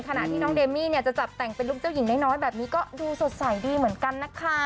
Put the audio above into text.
ขณะที่น้องเดมี่จะจับแต่งลูกเจ้าหญิงได้น้อยแบบนี้ดูสดใสดีเหมือนกันนะคะ